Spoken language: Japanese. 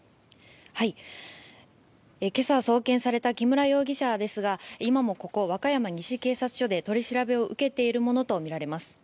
今朝送検された木村容疑者ですが今もここ、和歌山西警察署で取り調べを受けているものとみられます。